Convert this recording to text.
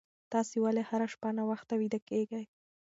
تاسي ولې هره شپه ناوخته ویده کېږئ؟